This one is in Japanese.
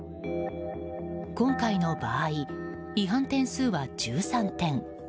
今回の場合、違反点数は１３点。